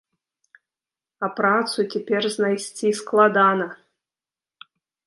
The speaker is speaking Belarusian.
А працу цяпер знайсці складана.